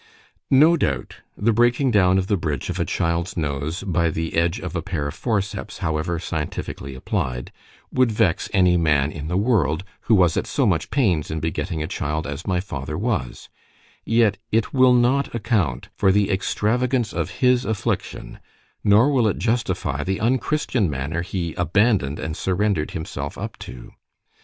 No doubt, the breaking down of the bridge of a child's nose, by the edge of a pair of forceps—however scientifically applied—would vex any man in the world, who was at so much pains in begetting a child, as my father was—yet it will not account for the extravagance of his affliction, nor will it justify the un christian manner he abandoned and surrendered himself up to.